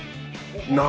何？